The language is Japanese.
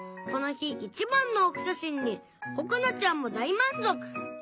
この日一番のオフ写真にここなちゃんも大満足